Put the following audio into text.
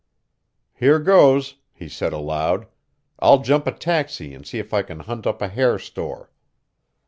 "Here goes," he said aloud. "I'll jump a taxi and see if I can hunt up a hair store!"